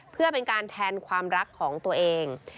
เพื่อเป็นการแทนความรักของตัวเอง